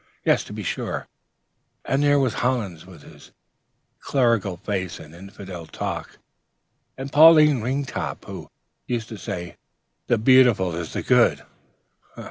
Yes, to be sure; and there was Hollins, with his clerical face and infidel talk, and Pauline Ringtop, who used to say, 'The Beautiful is the Good.'